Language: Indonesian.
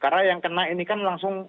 karena yang kena ini kan langsung